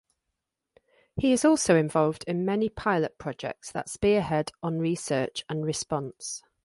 He is also involved in many pilot projects that spearhead on research and response.